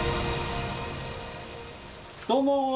どうも！